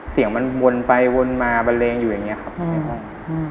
เสียงมันวนไปวนมาบันเลงอยู่อย่างนี้ครับในห้อง